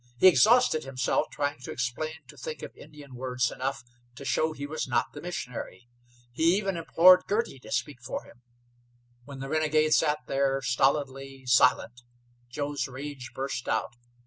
He exhausted himself trying to explain, to think of Indian words enough to show he was not the missionary. He even implored Girty to speak for him. When the renegade sat there stolidly silent Joe's rage burst out.